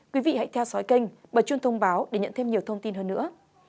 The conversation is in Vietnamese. quý vị hãy theo dõi kênh bật chuông thông báo để nhận thêm nhiều thông tin hơn nữa